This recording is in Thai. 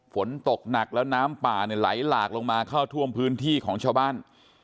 ฝนตกหนักแล้วน้ำป่าเนี่ยไหลหลากลงมาเข้าท่วมพื้นที่ของชาวบ้าน